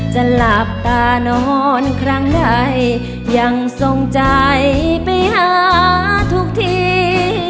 จะหลับตานอนครั้งใดยังทรงใจไปหาทุกที